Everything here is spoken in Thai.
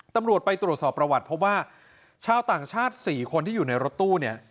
ตำรวจไปตรวจสอบประวัติเพราะว่าชาวต่างชาติ๔คนที่อยู่ในรถตู้เนี่ย